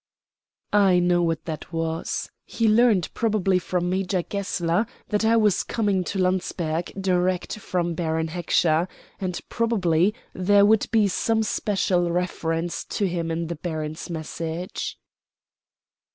"I know what that was. He learnt, probably from Major Gessler, that I was coming to Landsberg direct from Baron Heckscher, and probably there would be some special reference to him in the baron's message."